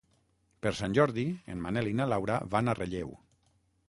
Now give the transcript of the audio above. Per Sant Jordi en Manel i na Laura van a Relleu.